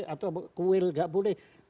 atau kuil tidak boleh